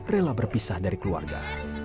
relah berpisah dari keluarga